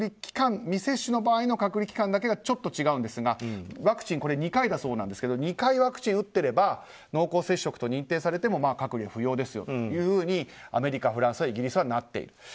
未接種の場合の隔離期間だけがちょっと違うんですがワクチン２回だそうなんですが２回ワクチンを打ってれば濃厚接触と認定されても隔離不要ですよというふうにアメリカ、フランス、イギリスはなっている。